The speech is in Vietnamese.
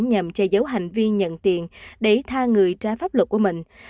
nhằm che giấu hành vi nhận tiền để tha người trái pháp luật của mình